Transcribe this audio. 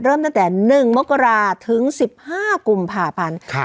เริ่มตั้งแต่หนึ่งมกราถึงสิบห้ากลุ่มผ่าพันธุ์ครับ